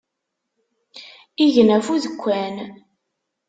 Igen ɣef udekkan.